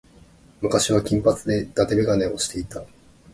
昔は金髪で伊達眼鏡をしていた。